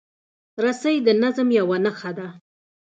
رسۍ د نظم یوه نښه ده.